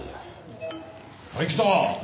はい来た！